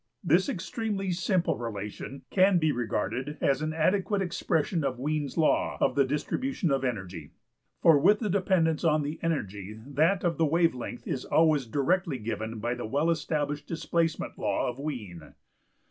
This extremely simple relation can be regarded as an adequate expression of Wien's law of the distribution of energy; for with the dependence on the energy that of the wave length is always directly given by the well established displacement law of Wien(8).